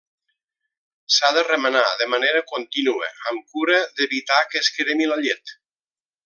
S'ha de remenar de manera contínua, amb cura d'evitar que es cremi la llet.